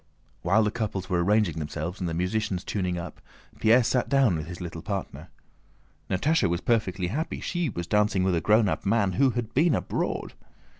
While the couples were arranging themselves and the musicians tuning up, Pierre sat down with his little partner. Natásha was perfectly happy; she was dancing with a grown up man, who had been abroad.